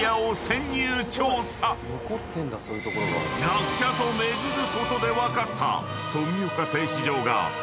［学者と巡ることで分かった］